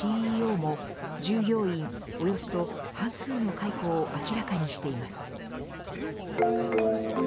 ＣＥＯも従業員およそ半数の解雇を明らかにしています。